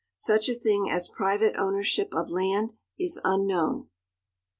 Such a thing as private ownership of land is unknown.